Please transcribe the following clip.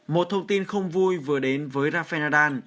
một thông tin không vui vừa đến với rafael nadal